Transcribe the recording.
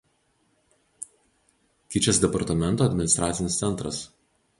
Kičės departamento administracinis centras.